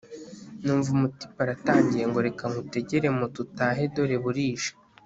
numva umutipe aratangiye ngo reka nkutegere moto utahe dore burije